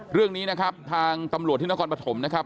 เรื่องนี้นะครับทางตำรวจที่นครปฐมนะครับ